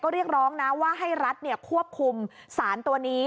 เรียกร้องนะว่าให้รัฐควบคุมสารตัวนี้